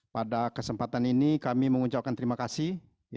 pada kesempatan ini kami mengucapkan terima kasih